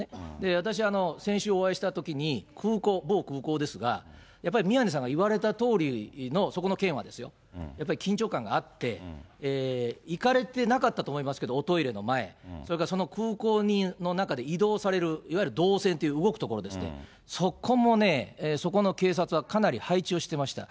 私、先週お会いしたときに、空港、某空港ですが、やっぱり宮根さんが言われたとおりの、そこの県はですよ、やっぱり緊張感があって、行かれてなかったと思いますけど、おトイレの前、それからその空港の中で移動されるいわゆる動線という動く所ですね、そこもね、そこの警察はかなり配置をしていました。